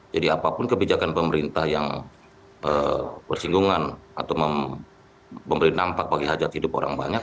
jadi apapun kebijakan pemerintah yang bersinggungan atau memberi nampak bagi hajat hidup orang banyak